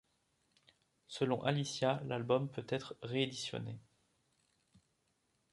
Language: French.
Selon Alicia, l'album peut être ré-éditionné.